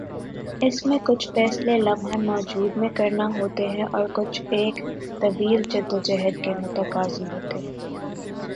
اس میں کچھ فیصلے لمحہ موجود میں کرنا ہوتے ہیں اور کچھ ایک طویل جدوجہد کے متقاضی ہیں۔